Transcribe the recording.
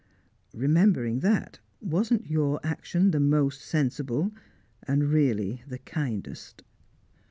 Remembering that, wasn't your action the most sensible, and really the kindest?"